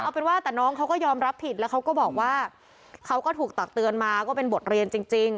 เอาเป็นว่าแต่น้องเขาก็ยอมรับผิดแล้วเขาก็บอกว่าเขาก็ถูกตักเตือนมาก็เป็นบทเรียนจริง